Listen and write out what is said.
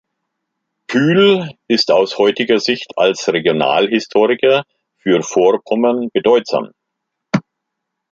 Pyl ist aus heutiger Sicht als Regionalhistoriker für Vorpommern bedeutsam.